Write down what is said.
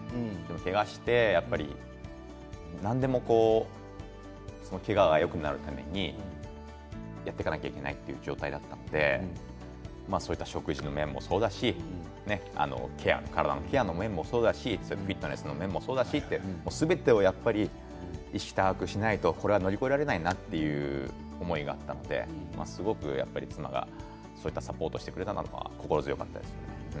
けがして、やっぱり何でもけががよくなるためにやっていかなきゃいけないっていう状態だったのでそういった食事の面もそうだし体のケアの面もそうだしフィットネスの面もそうだしってすべてをやっぱりリフトアップしないと乗り越えられないなと思ったのでそこは妻がサポートしてくれたのは心強かったですね。